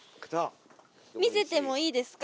見せてもいいですか？